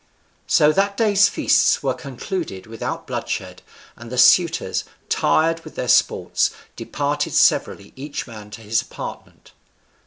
So that day's feast was concluded without bloodshed, and the suitors, tired with their sports, departed severally each man to his apartment.